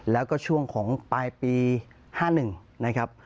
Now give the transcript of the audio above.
แล้วก็ช่วงของปลายปี๕๑นะครับ